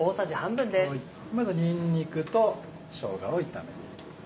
まずはにんにくとしょうがを炒めていきます。